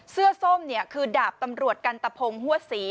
ส้มเนี่ยคือดาบตำรวจกันตะพงหัวศรี